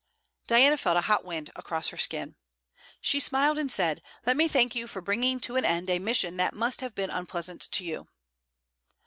Diana felt a hot wind across her skin. She smiled and said: 'Let me thank you for bringing to an end a mission that must have been unpleasant to you.'